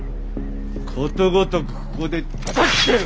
ことごとくここでたたき斬ってやる！